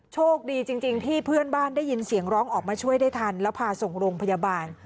โชคดีจริงที่เพื่อนบ้านได้ยินเสียงร้องออกมาช่วยได้ทันแล้วพาส่งโรงพยาบาล